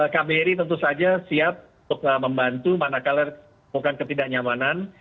kbri tentu saja siap untuk membantu manakala bukan ketidaknyamanan